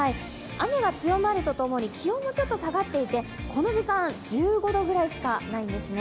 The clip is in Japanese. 雨が強まるとともに気温もちょっと下がっていてこの時間、１５度ぐらいしかないんですね。